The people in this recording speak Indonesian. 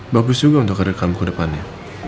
bagus juga untuk karir kamu ke depannya